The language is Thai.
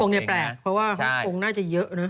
ฮ่องโกงน่าจะแปลกเพราะว่าฮ่องโกงน่าจะเยอะนะ